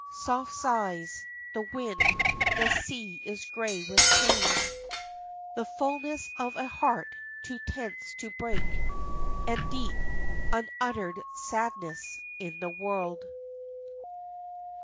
Soft sighs the wind, the sea is gray with pain The fulness of a heart too tense to break And deep, unuttered sadness in the world.